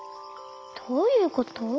どういうこと？